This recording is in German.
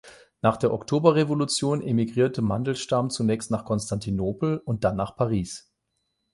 Nach der Oktoberrevolution emigrierte Mandelstam zunächst nach Konstantinopel und dann nach Paris.